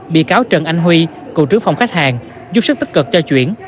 bị cáo trần anh huy cựu trưởng phòng khách hàng giúp sức tích cực cho chuyển